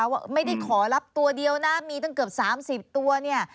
ว่าไม่ได้ขอรับตัวเดียวนะมีตั้งเกือบ๓๐ตัวเนี่ย